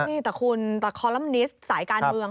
นี่แต่คุณแต่คอลัมนิสสายการเมือง